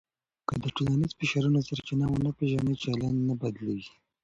که د ټولنیزو فشارونو سرچینه ونه پېژنې، چلند نه بدلېږي.